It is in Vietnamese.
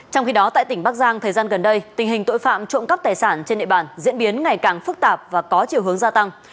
trong khi đó tại tỉnh bắc giang thời gian gần đây tình hình tội phạm trộm cắp tài sản trên địa bàn diễn biến ngày càng phức tạp và có chiều hướng gia tăng